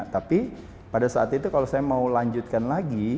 tapi pada saat itu kalau saya mau lanjutkan lagi